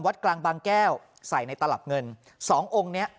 กลางบางแก้วใส่ในตลับเงินสององค์เนี้ย